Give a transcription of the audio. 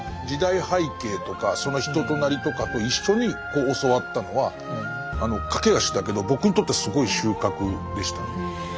時代背景とかその人となりとかと一緒に教わったのは駆け足だけど僕にとってはすごい収穫でしたね。